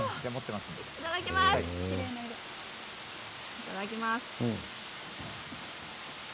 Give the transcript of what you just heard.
いただきます。